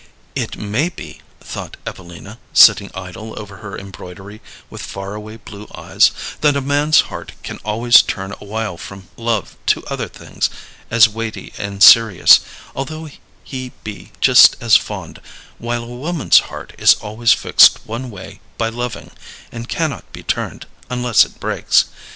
"It may be," thought Evelina, sitting idle over her embroidery with far away blue eyes, "that a man's heart can always turn a while from love to other things as weighty and serious, although he be just as fond, while a woman's heart is always fixed one way by loving, and cannot be turned unless it breaks.